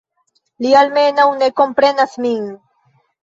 Li, almenaŭ, ne komprenas min.